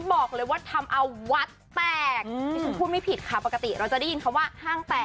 บอกเลยว่าทำเอาวัดแตกดิฉันพูดไม่ผิดค่ะปกติเราจะได้ยินคำว่าห้างแตก